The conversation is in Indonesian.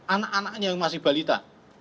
anak anaknya yang masih balita